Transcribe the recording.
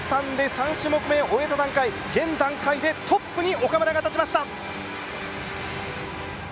３種目め終えた現段階でトップに岡村が立ちました。